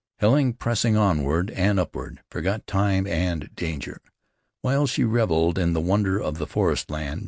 Helen, pressing onward and upward, forgot time and danger, while she reveled in the wonder of the forestland.